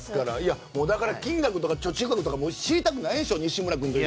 金額とか貯蓄額とか知りたくないでしょ？